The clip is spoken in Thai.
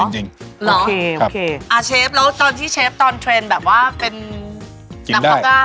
เทรนด์แบบว่าเป็นนักพอด้าม